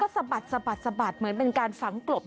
แล้วก็สะบัดเหมือนเป็นการฝังกลบ